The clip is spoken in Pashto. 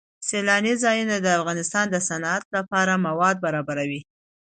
سیلانی ځایونه د افغانستان د صنعت لپاره مواد برابروي.